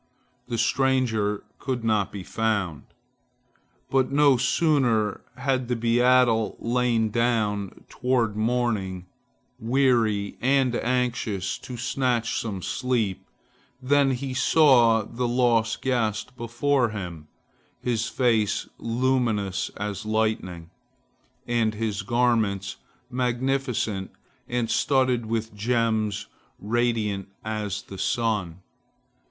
The stranger could not be found. But no sooner had the beadle lain down, toward morning, weary and anxious, to snatch some sleep, than he saw the lost guest before him, his face luminous as lightning, and his garments magnificent and studded with gems radiant as the sun.